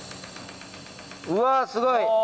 うわぁすごい。